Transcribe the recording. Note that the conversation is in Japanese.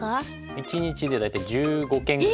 １日で大体１５軒ぐらい。